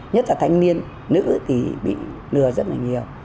nhất là thanh niên nữ thì bị lừa rất là nhiều